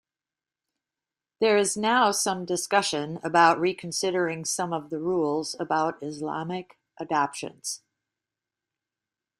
There is now some discussion about reconsidering some of the rules about Islamic adoptions.